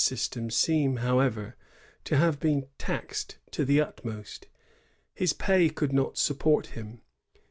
177 system seem, however, to have been taxed to the utmost. His pay could not support him.